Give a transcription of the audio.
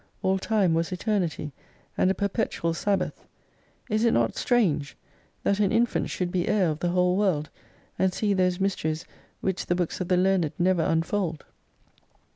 All Time was Eternity, and a perpetual Sabbath. Is it not strange, that an infant should be heir of the whole World, and see those mysteries which the books of the learned never unfold